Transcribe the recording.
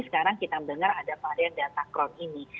sekarang kita mendengar ada varian dantacron ini